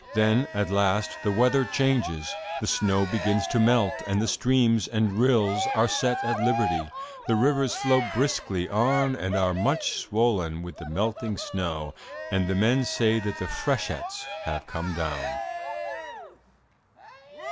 Then, at last, the weather changes; the snow begins to melt and the streams and rills are set at liberty. The rivers flow briskly on and are much swollen with the melting snow, and the men say that the freshets have come down.